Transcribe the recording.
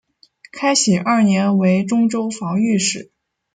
开禧二年为忠州防御使。